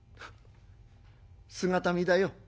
姿見だよ」。